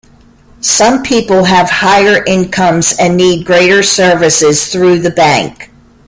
Some people have higher incomes and need greater services through the bank.